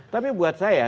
tapi buat saya